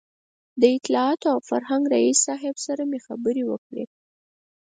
د اطلاعاتو او فرهنګ له رییس صاحب سره مې خبرې وکړې.